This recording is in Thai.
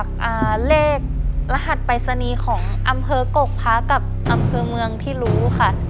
เลขรหัสปรายศนีย์ของอำเภอกกพระกับอำเภอเมืองที่รู้ค่ะ